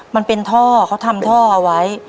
มันเป็นท่อเขาทำท่อเอาไว้